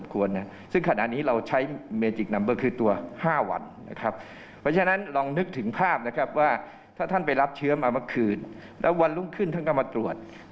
ก็คืนแล้ววันลุ่มขึ้นท่านก็มาตรวจ